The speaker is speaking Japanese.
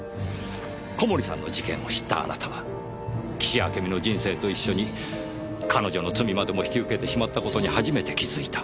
小森さんの事件を知ったあなたは岸あけみの人生と一緒に彼女の罪までも引き受けてしまった事に初めて気付いた。